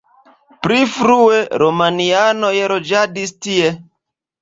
Pli frue romianoj loĝadis tie.